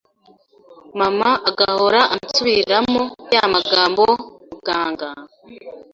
mama agahora ansubiriramo ya magambo muganga